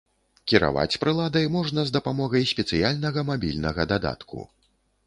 Кіраваць прыладай можна з дапамогай спецыяльнага мабільнага дадатку.